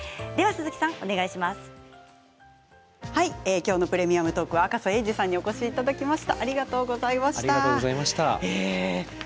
今日の「プレミアムトーク」は赤楚衛二さんにお越しいただきました。